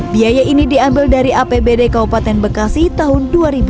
biaya ini diambil dari apbd kabupaten bekasi tahun dua ribu dua puluh